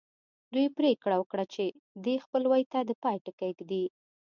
دوی پرېکړه وکړه چې دې خپلوۍ ته د پای ټکی ږدي